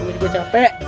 mending gue capek